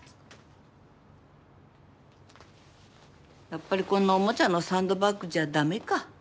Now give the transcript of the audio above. やっぱりこんなおもちゃのサンドバッグじゃ駄目か。